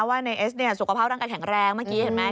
ว่าในเอสเนี่ยสุขภาพร่างกายแข็งแรงเมื่อกี้เห็นไหม